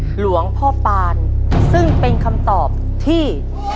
หลวงพ่อปานซึ่งเป็นคำตอบที่